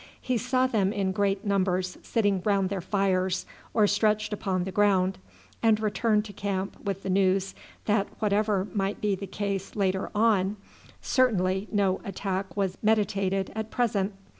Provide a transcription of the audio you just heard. He saw them in great numbers sitting round their fires or stretched upon the ground, and returned to camp with the news that whatever might be the case later on, certainly no attack was meditated at present.